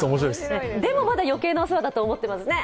でもまだ余計なお世話だと思っていますね。